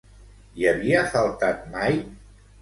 Hi havia faltat mai?